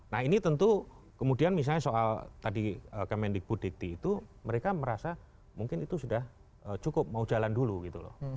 nah ini tentu kemudian misalnya soal tadi kemendikbud dikti itu mereka merasa mungkin itu sudah cukup mau jalan dulu gitu loh